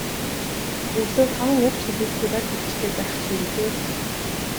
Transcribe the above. Өглөө таван үг ч хэлүүлэхгүй барьж идчих гээд байх чинь билээ.